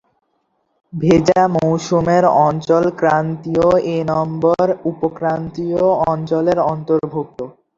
ভেজা মৌসুমের অঞ্চল ক্রান্তীয় এনম্বর উপক্রান্তীয় অঞ্চলের অন্তর্ভুক্ত।